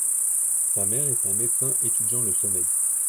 Sa mère est un médecin étudiant le sommeil.